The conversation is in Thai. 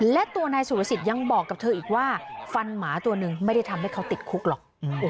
และตัวนายสุรสิทธิ์ยังบอกกับเธออีกว่าฟันหมาตัวหนึ่งไม่ได้ทำให้เขาติดคุกหรอก